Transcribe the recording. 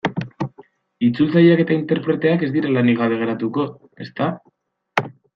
Itzultzaileak eta interpreteak ez dira lanik gabe geratuko, ezta?